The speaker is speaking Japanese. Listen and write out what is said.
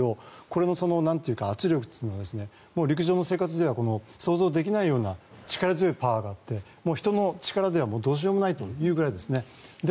この圧力というのは陸上の生活では想像できないような力強いパワーがあって人の力ではどうしようもないというくらいですね。